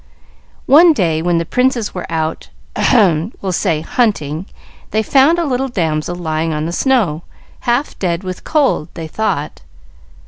"One day, when the princes were out ahem! we'll say hunting they found a little damsel lying on the snow, half dead with cold, they thought.